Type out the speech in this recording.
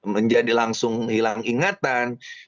menjadi langsung hilang ingatan